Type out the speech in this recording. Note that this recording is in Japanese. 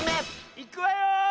いくわよ！